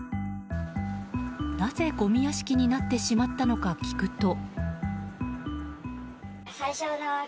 なぜ、ごみ屋敷になってしまったのか聞くと。